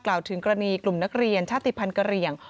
กล่าวถึงกรณีกลุ่มนักเรียนชาติภัณฑ์กระเรียง